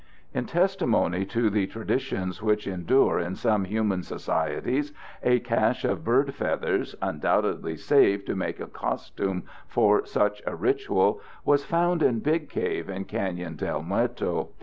In testimony to the traditions which endure in some human societies, a cache of bird feathers, undoubtedly saved to make a costume for such a ritual, was found in Big Cave in Canyon del Muerto.